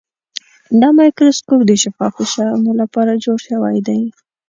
دا مایکروسکوپ د شفافو شیانو لپاره جوړ شوی دی.